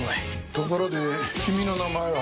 ところで君の名前は？